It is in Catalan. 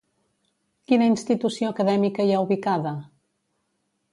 Quina institució acadèmica hi ha ubicada?